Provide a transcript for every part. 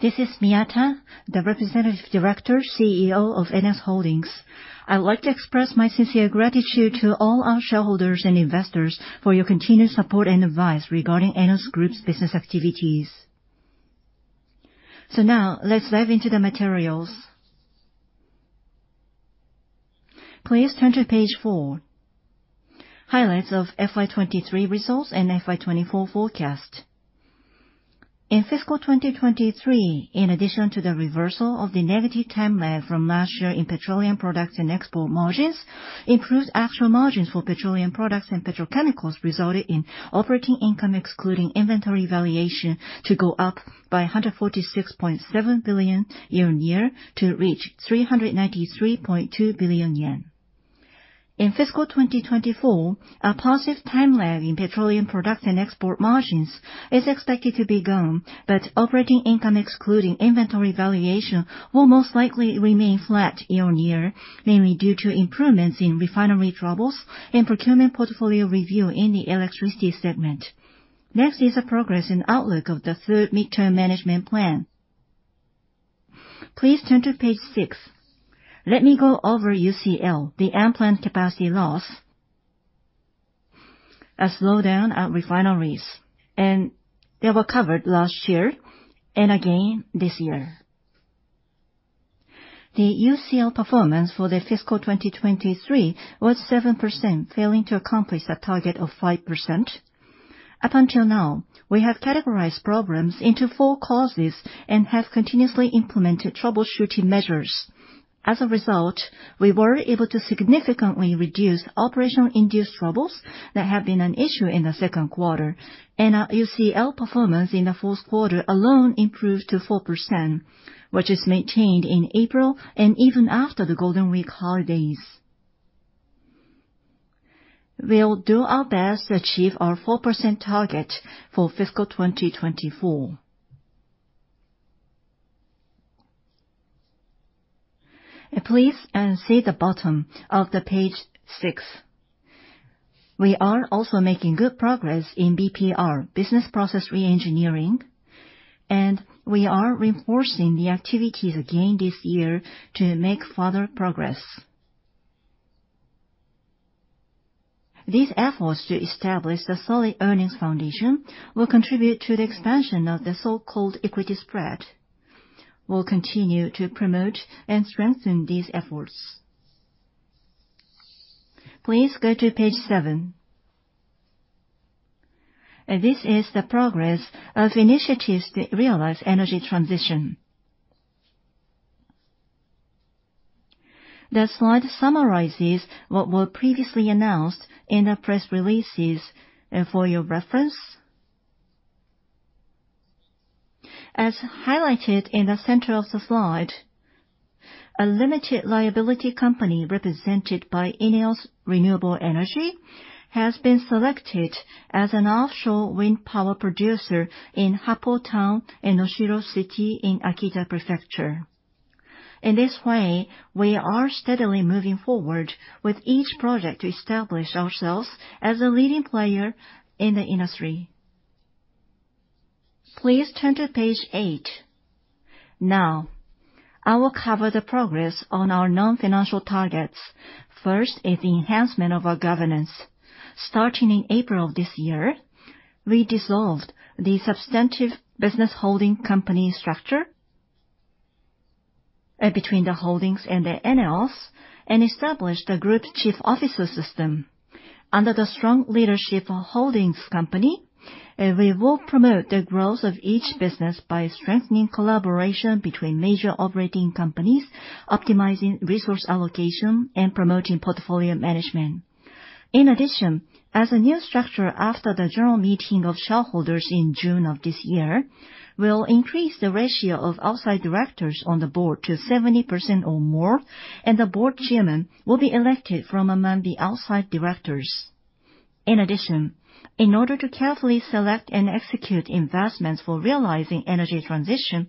This is Miyata, the representative director, CEO of ENEOS Holdings. I would like to express my sincere gratitude to all our shareholders and investors for your continued support and advice regarding ENEOS Group's business activities. Now, let's dive into the materials. Please turn to page four, highlights of FY 2023 results and FY 2024 forecast. In fiscal 2023, in addition to the reversal of the negative time lag from last year in petroleum products and export margins, improved actual margins for petroleum products and petrochemicals resulted in operating income excluding inventory valuation to go up by 146.7 billion yen year-on-year to reach 393.2 billion yen. In fiscal 2024, a positive time lag in petroleum products and export margins is expected to be gone, but operating income excluding inventory valuation will most likely remain flat year-on-year, mainly due to improvements in refinery troubles and procurement portfolio review in the electricity segment. Next is the progress and outlook of the third midterm management plan. Please turn to page six. Let me go over UCL, the unplanned capacity loss, a slowdown at refineries, and they were covered last year and again this year. The UCL performance for the fiscal 2023 was 7%, failing to accomplish a target of 5%. Up until now, we have categorized problems into four causes and have continuously implemented troubleshooting measures. As a result, we were able to significantly reduce operational-induced troubles that have been an issue in the second quarter, and our UCL performance in the fourth quarter alone improved to 4%, which is maintained in April and even after the Golden Week holidays. We'll do our best to achieve our 4% target for fiscal 2024. Please see the bottom of page six. We are also making good progress in BPR, business process re-engineering, and we are reinforcing the activities again this year to make further progress. These efforts to establish the solid earnings foundation will contribute to the expansion of the so-called equity spread. We'll continue to promote and strengthen these efforts. Please go to page seven. This is the progress of initiatives to realize energy transition. The slide summarizes what were previously announced in the press releases for your reference. As highlighted in the center of the slide, a limited liability company represented by ENEOS Renewable Energy has been selected as an offshore wind power producer in Happo Town in Noshiro City in Akita Prefecture. In this way, we are steadily moving forward with each project to establish ourselves as a leading player in the industry. Please turn to page eight. Now, I will cover the progress on our non-financial targets. First is the enhancement of our governance. Starting in April of this year, we dissolved the substantive business holding company structure between the holdings and the ENEOS and established the group chief officer system. Under the strong leadership of holdings company, we will promote the growth of each business by strengthening collaboration between major operating companies, optimizing resource allocation, and promoting portfolio management. In addition, as a new structure after the general meeting of shareholders in June of this year, we'll increase the ratio of outside directors on the board to 70% or more, and the board chairman will be elected from among the outside directors. In addition, in order to carefully select and execute investments for realizing energy transition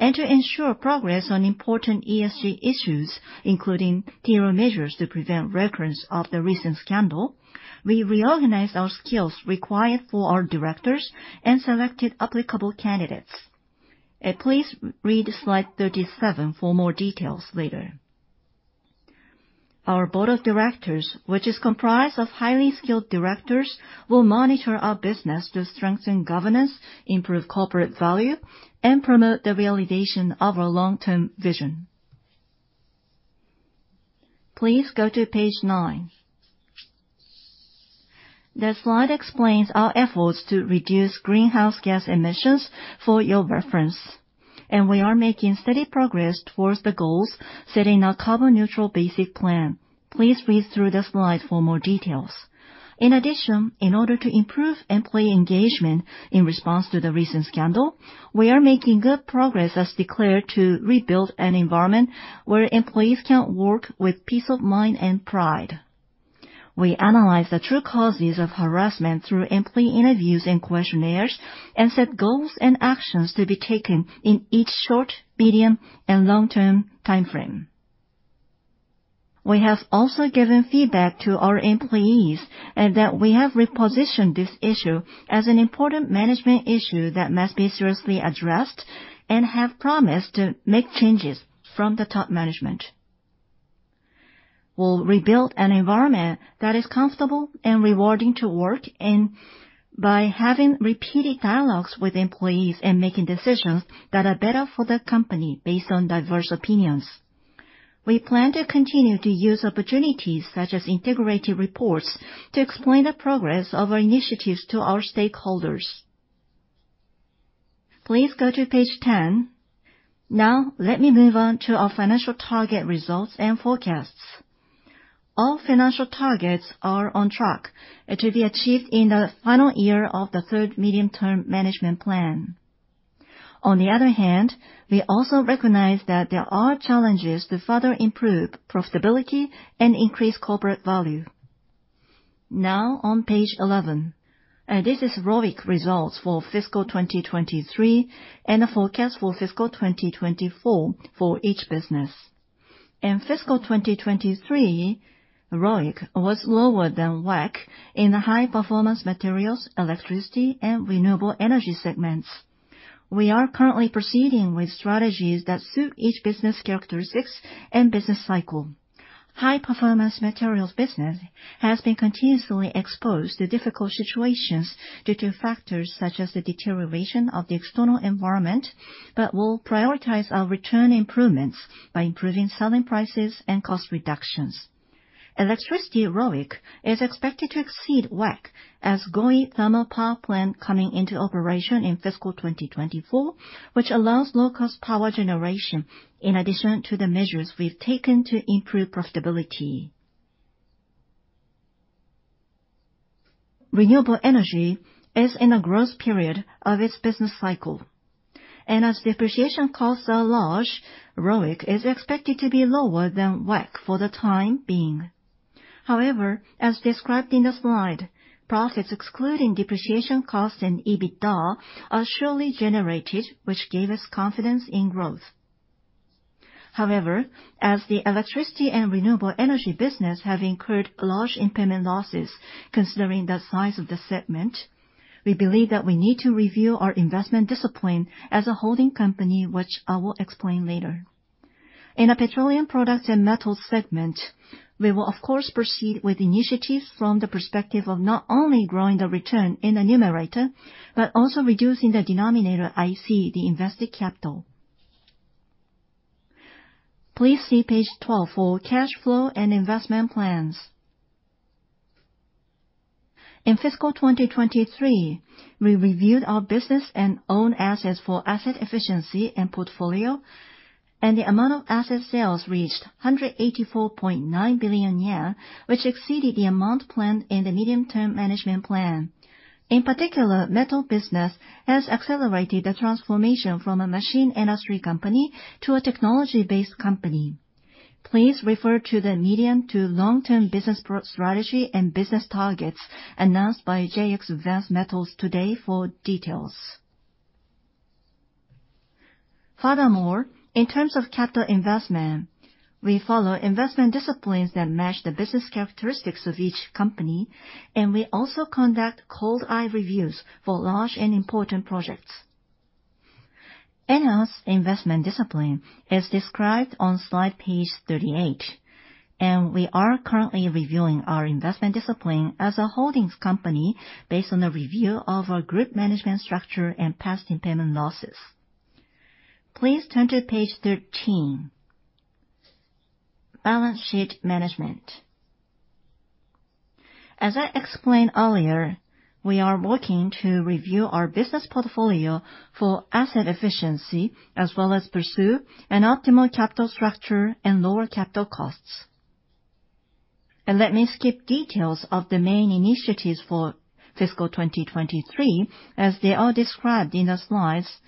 and to ensure progress on important ESG issues, including clearer measures to prevent recurrence of the recent scandal, we reorganized our skills required for our directors and selected applicable candidates. Please read slide 37 for more details later. Our board of directors, which is comprised of highly skilled directors, will monitor our business to strengthen governance, improve corporate value, and promote the realization of our long-term vision. Please go to page nine. The slide explains our efforts to reduce greenhouse gas emissions for your reference. We are making steady progress towards the goals, setting our carbon neutral basic plan. Please read through the slide for more details. In addition, in order to improve employee engagement in response to the recent scandal, we are making good progress as declared to rebuild an environment where employees can work with peace of mind and pride. We analyze the true causes of harassment through employee interviews and questionnaires. We set goals and actions to be taken in each short, medium, and long-term timeframe. We have also given feedback to our employees that we have repositioned this issue as an important management issue that must be seriously addressed. We have promised to make changes from the top management. We'll rebuild an environment that is comfortable and rewarding to work in by having repeated dialogues with employees and making decisions that are better for the company based on diverse opinions. We plan to continue to use opportunities such as integrated reports to explain the progress of our initiatives to our stakeholders. Please go to page 10. Now let me move on to our financial target results and forecasts. All financial targets are on track and to be achieved in the final year of the third medium-term management plan. On the other hand, we also recognize that there are challenges to further improve profitability and increase corporate value. Now on page 11. This is ROIC results for fiscal 2023 and the forecast for fiscal 2024 for each business. In fiscal 2023, ROIC was lower than WACC in the high-performance materials, electricity, and renewable energy segments. We are currently proceeding with strategies that suit each business characteristics and business cycle. High performance materials business has been continuously exposed to difficult situations due to factors such as the deterioration of the external environment. We'll prioritize our return improvements by improving selling prices and cost reductions. Electricity ROIC is expected to exceed WACC as Goi Thermal Power Plant coming into operation in fiscal 2024, which allows low-cost power generation in addition to the measures we've taken to improve profitability. Renewable energy is in a growth period of its business cycle. As depreciation costs are large, ROIC is expected to be lower than WACC for the time being. However, as described in the slide, profits excluding depreciation costs and EBITDA are surely generated, which give us confidence in growth. However, as the electricity and renewable energy business have incurred large impairment losses, considering the size of the segment, we believe that we need to review our investment discipline as a holding company, which I will explain later. In a petroleum products and metals segment, we will of course proceed with initiatives from the perspective of not only growing the return in the numerator, but also reducing the denominator, IC, the invested capital. Please see page 12 for cash flow and investment plans. In fiscal 2023, we reviewed our business and own assets for asset efficiency and portfolio. The amount of asset sales reached 184.9 billion yen, which exceeded the amount planned in the medium-term management plan. In particular, metal business has accelerated the transformation from a machine industry company to a technology-based company. Please refer to the medium to long-term business strategy and business targets announced by JX Advanced Metals today for details. Furthermore, in terms of capital investment, we follow investment disciplines that match the business characteristics of each company, and we also conduct cold eye reviews for large and important projects. ENEOS investment discipline is described on slide page 38, and we are currently reviewing our investment discipline as a holdings company based on a review of our group management structure and past impairment losses. Please turn to page 13, balance sheet management. As I explained earlier, we are working to review our business portfolio for asset efficiency, as well as pursue an optimal capital structure and lower capital costs. Let me skip details of the main initiatives for fiscal 2023, as they are described in the slides.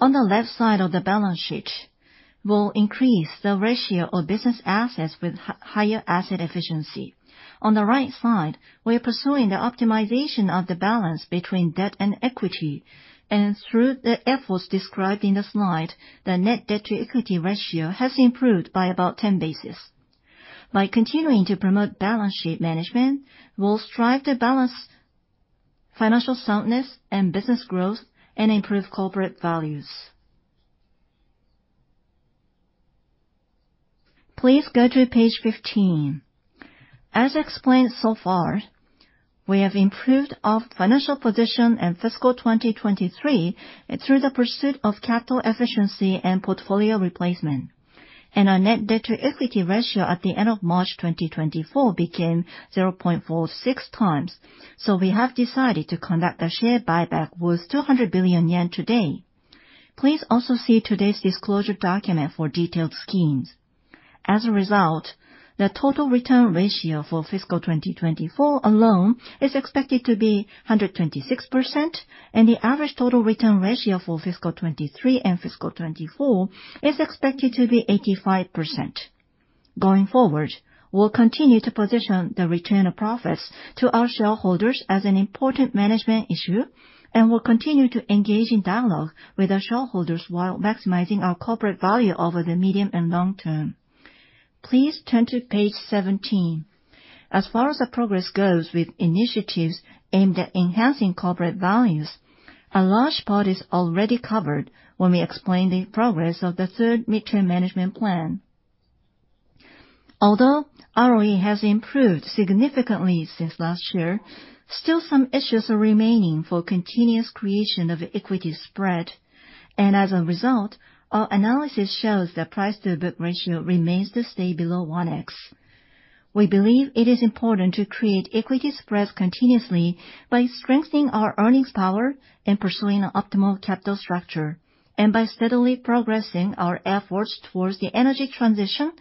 On the left side of the balance sheet, we'll increase the ratio of business assets with higher asset efficiency. On the right side, we are pursuing the optimization of the balance between debt and equity, and through the efforts described in the slide, the net debt to equity ratio has improved by about 10 basis points. By continuing to promote balance sheet management, we'll strive to balance financial soundness and business growth and improve corporate values. Please go to page 15. As explained so far, we have improved our financial position in fiscal 2023 through the pursuit of capital efficiency and portfolio replacement. Our net debt to equity ratio at the end of March 2024 became 0.46 times. We have decided to conduct a share buyback worth 200 billion yen today. Please also see today's disclosure document for detailed schemes. As a result, the total return ratio for fiscal 2024 alone is expected to be 126%, and the average total return ratio for fiscal 2023 and fiscal 2024 is expected to be 85%. Going forward, we'll continue to position the return of profits to our shareholders as an important management issue, and will continue to engage in dialogue with our shareholders while maximizing our corporate value over the medium and long term. Please turn to page 17. As far as the progress goes with initiatives aimed at enhancing corporate values, a large part is already covered when we explain the progress of the third mid-term management plan. Although ROE has improved significantly since last year, still some issues are remaining for continuous creation of equity spread. As a result, our analysis shows that price to book ratio remains to stay below 1X. We believe it is important to create equity spreads continuously by strengthening our earnings power and pursuing an optimal capital structure, and by steadily progressing our efforts towards the energy transition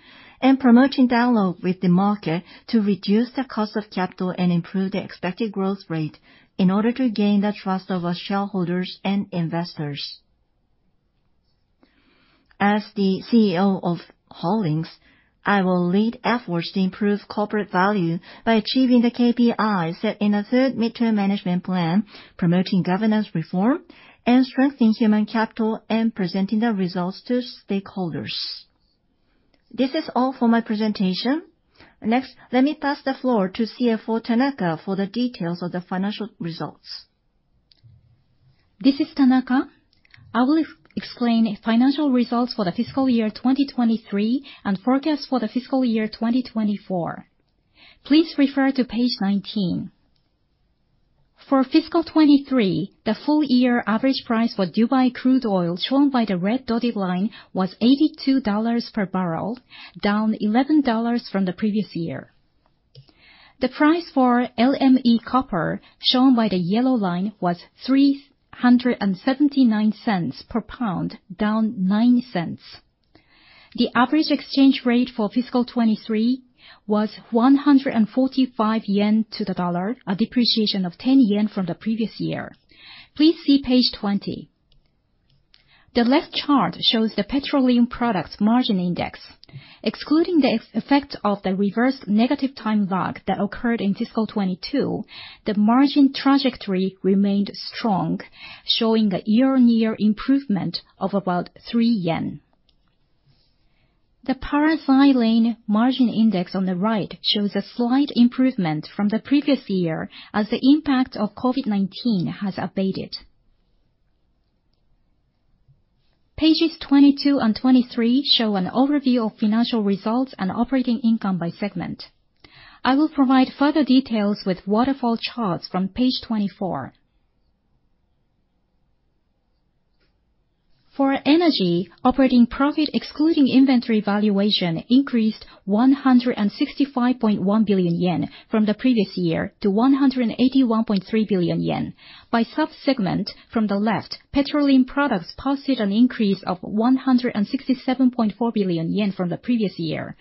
and promoting dialogue with the market to reduce the cost of capital and improve the expected growth rate in order to gain the trust of our shareholders and investors. As the CEO of Holdings, I will lead efforts to improve corporate value by achieving the KPIs set in a third mid-term management plan, promoting governance reform, and strengthening human capital and presenting the results to stakeholders. This is all for my presentation. Next, let me pass the floor to CFO Tanaka for the details of the financial results. This is Tanaka. I will explain financial results for the fiscal year 2023 and forecast for the fiscal year 2024. Please refer to page 19. For fiscal 2023, the full year average price for Dubai crude oil, shown by the red dotted line, was $82 per barrel, down $11 from the previous year. The price for LME copper, shown by the yellow line, was $3.79 per pound, down $0.09. The average exchange rate for fiscal 2023 was 145 yen to the dollar, a depreciation of 10 yen from the previous year. Please see page 20. The left chart shows the petroleum products margin index. Excluding the effect of the reverse negative time lag that occurred in fiscal 2022, the margin trajectory remained strong, showing a year-on-year improvement of about 3 yen. The paraxylene margin index on the right shows a slight improvement from the previous year as the impact of COVID-19 has abated. Pages 22 and 23 show an overview of financial results and operating income by segment. I will provide further details with waterfall charts from page 24. For energy, operating profit excluding inventory valuation increased 165.1 billion yen from the previous year to 181.3 billion yen. By sub-segment, from the left, petroleum products posted an increase of 167.4 billion yen from the previous year.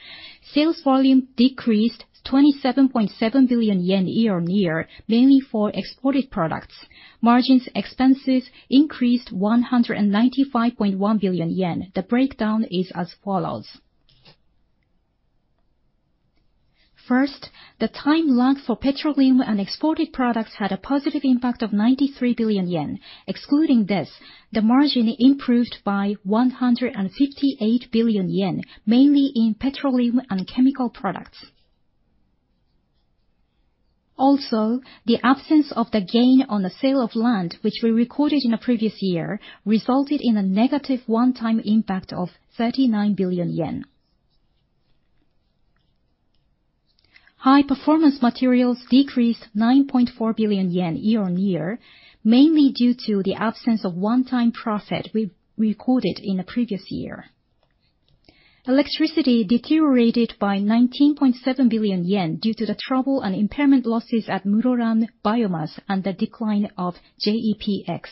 Sales volume decreased 27.7 billion yen year-on-year, mainly for exported products. Margins expenses increased 195.1 billion yen. The breakdown is as follows. First, the time lag for petroleum and exported products had a positive impact of 93 billion yen. Excluding this, the margin improved by 158 billion yen, mainly in petroleum and chemical products. The absence of the gain on the sale of land, which we recorded in the previous year, resulted in a negative one-time impact of 39 billion yen. High-performance materials decreased 9.4 billion yen year-on-year, mainly due to the absence of one-time profit we recorded in the previous year. Electricity deteriorated by 19.7 billion yen due to the trouble and impairment losses at Muroran Biomass and the decline of JEPX.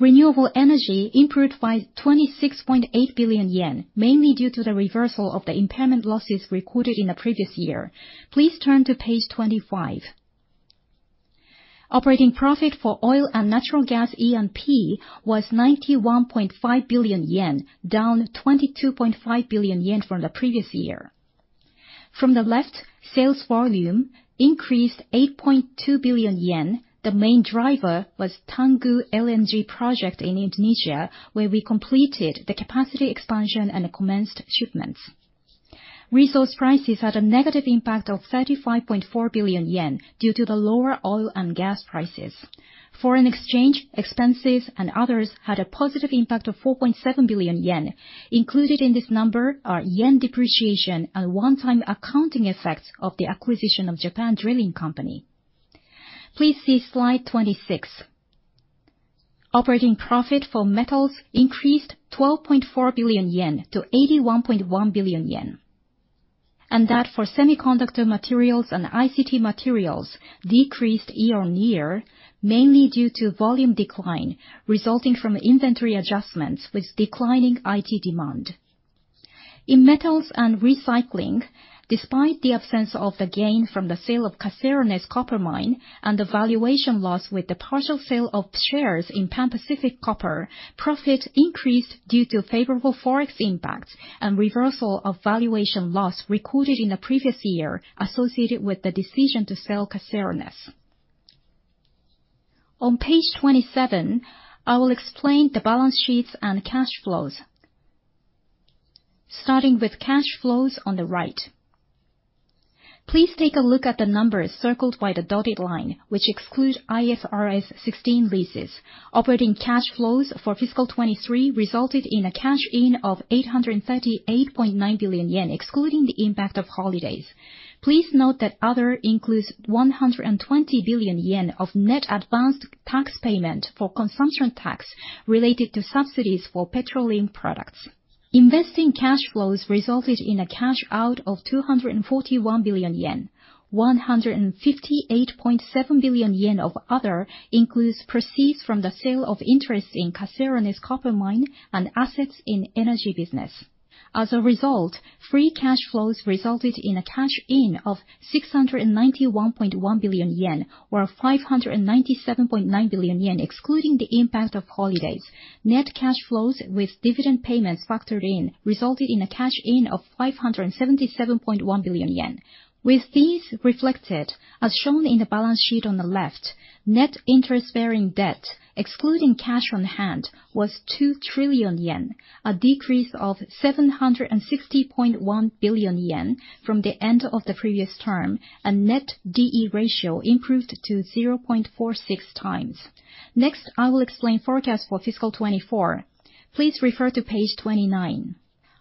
Renewable energy improved by 26.8 billion yen, mainly due to the reversal of the impairment losses recorded in the previous year. Please turn to page 25. Operating profit for oil and natural gas E&P was 91.5 billion yen, down 22.5 billion yen from the previous year. From the left, sales volume increased 8.2 billion yen. The main driver was Tangguh LNG project in Indonesia, where we completed the capacity expansion and commenced shipments. Resource prices had a negative impact of 35.4 billion yen due to the lower oil and gas prices. Foreign exchange expenses and others had a positive impact of 4.7 billion yen. Included in this number are JPY depreciation and one-time accounting effects of the acquisition of Japan Drilling Co., Ltd. Please see slide 26. Operating profit for metals increased 12.4 billion yen to 81.1 billion yen. That for semiconductor materials and ICT materials decreased year-on-year, mainly due to volume decline resulting from inventory adjustments with declining IT demand. In metals and recycling, despite the absence of the gain from the sale of Caserones copper mine and the valuation loss with the partial sale of shares in Pan Pacific Copper Co., Ltd., profit increased due to favorable Forex impacts and reversal of valuation loss recorded in the previous year associated with the decision to sell Caserones. On page 27, I will explain the balance sheets and cash flows. Starting with cash flows on the right. Please take a look at the numbers circled by the dotted line, which exclude IFRS 16 leases. Operating cash flows for fiscal 2023 resulted in a cash in of 838.9 billion yen, excluding the impact of holidays. Please note that other includes 120 billion yen of net advanced tax payment for consumption tax related to subsidies for petroleum products. Investing cash flows resulted in a cash out of 241 billion yen. 158.7 billion yen of other includes proceeds from the sale of interest in Caserones copper mine and assets in energy business. As a result, free cash flows resulted in a cash in of 691.1 billion yen, or 597.9 billion yen, excluding the impact of holidays. Net cash flows with dividend payments factored in resulted in a cash in of 577.1 billion yen. With these reflected, as shown in the balance sheet on the left, net interest bearing debt, excluding cash on hand, was 2 trillion yen, a decrease of 760.1 billion yen from the end of the previous term, a net D/E ratio improved to 0.46 times. Next, I will explain forecast for fiscal 2024. Please refer to page 29.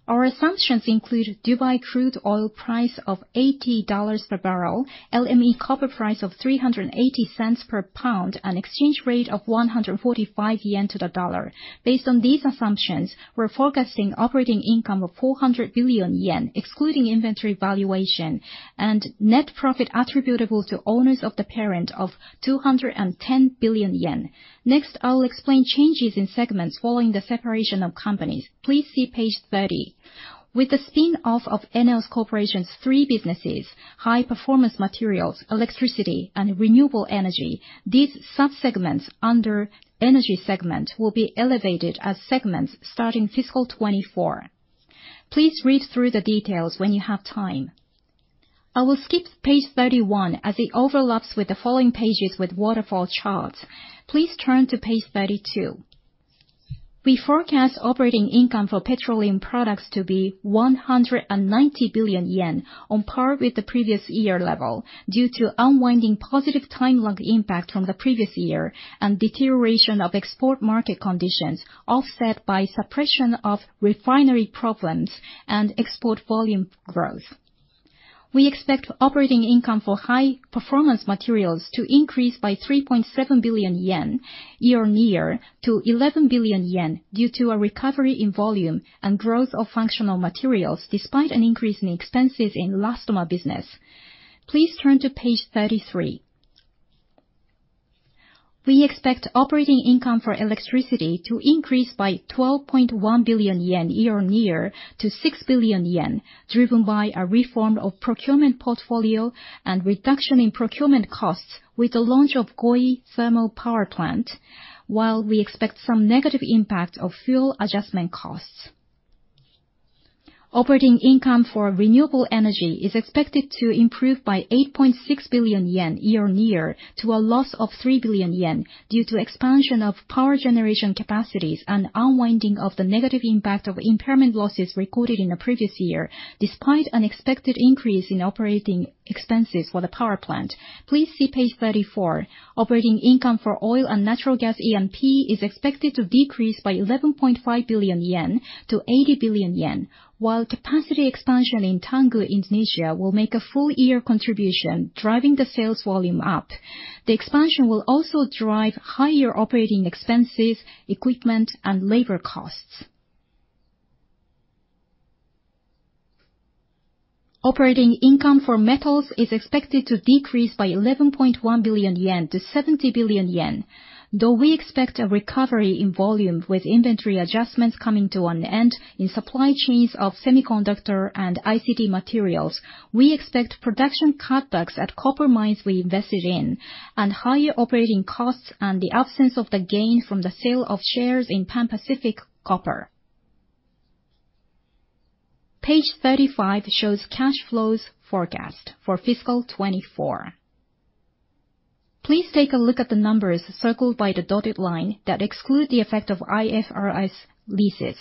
Our assumptions include Dubai crude oil price of $80 per barrel, LME copper price of $3.80 per pound, an exchange rate of 145 yen to the dollar. Based on these assumptions, we're forecasting operating income of 400 billion yen, excluding inventory valuation and net profit attributable to owners of the parent of 210 billion yen. Next, I'll explain changes in segments following the separation of companies. Please see page 30. With the spin-off of ENEOS Corporation's three businesses, high performance materials, electricity, and renewable energy, these sub-segments under energy segment will be elevated as segments starting fiscal 2024. Please read through the details when you have time. I will skip page 31 as it overlaps with the following pages with waterfall charts. Please turn to page 32. We forecast operating income for petroleum products to be 190 billion yen, on par with the previous year level, due to unwinding positive time lag impact from the previous year and deterioration of export market conditions, offset by suppression of refinery problems and export volume growth. We expect operating income for high performance materials to increase by 3.7 billion yen year-on-year to 11 billion yen due to a recovery in volume and growth of functional materials, despite an increase in expenses in the last of our business. Please turn to page 33. We expect operating income for electricity to increase by 12.1 billion yen year-on-year to 6 billion yen, driven by a reform of procurement portfolio and reduction in procurement costs with the launch of Goi Thermal Power Plant, while we expect some negative impact of fuel adjustment costs. Operating income for renewable energy is expected to improve by 8.6 billion yen year-on-year to a loss of 3 billion yen due to expansion of power generation capacities and unwinding of the negative impact of impairment losses recorded in the previous year, despite an expected increase in operating expenses for the power plant. Please see page 34. Operating income for oil and natural gas E&P is expected to decrease by 11.5 billion yen to 80 billion yen, while capacity expansion in Tangguh, Indonesia will make a full year contribution, driving the sales volume up. The expansion will also drive higher operating expenses, equipment, and labor costs. Operating income for metals is expected to decrease by 11.1 billion yen to 70 billion yen. Though we expect a recovery in volume with inventory adjustments coming to an end in supply chains of semiconductor and ICT materials, we expect production cutbacks at copper mines we invested in and higher operating costs and the absence of the gain from the sale of shares in Pan Pacific Copper. Page 35 shows cash flows forecast for fiscal 2024. Please take a look at the numbers circled by the dotted line that exclude the effect of IFRS leases.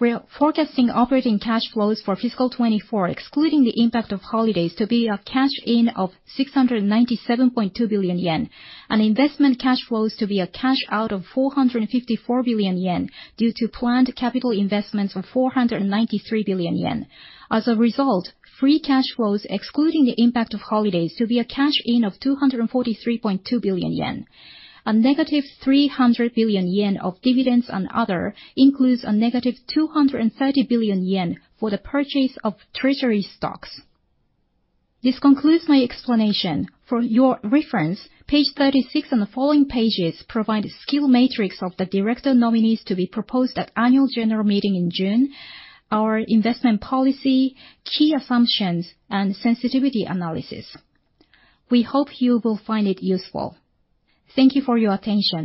We're forecasting operating cash flows for fiscal 2024, excluding the impact of holidays, to be a cash in of 697.2 billion yen and investment cash flows to be a cash out of 454 billion yen due to planned capital investments of 493 billion yen. As a result, free cash flows, excluding the impact of holidays, to be a cash in of 243.2 billion yen. A negative 300 billion yen of dividends and other includes a negative 230 billion yen for the purchase of treasury stocks. This concludes my explanation. For your reference, page 36 and the following pages provide a skill matrix of the director nominees to be proposed at annual general meeting in June, our investment policy, key assumptions, and sensitivity analysis. We hope you will find it useful. Thank you for your attention.